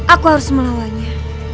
aku harus melawannya